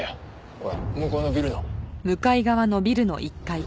ほら向こうのビルの。